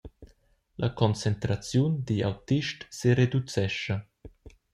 La concentraziun digl autist sereducescha.